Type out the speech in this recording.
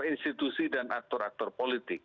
institusi dan aktor aktor politik